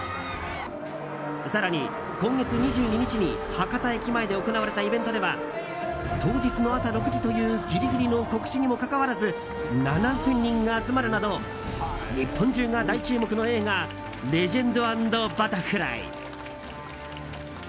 更に、今月２２日に博多駅前で行われたイベントでは当日の朝６時というギリギリの告知にもかかわらず７０００人が集まるなど日本中が大注目の映画「レジェンド＆バタフライ」。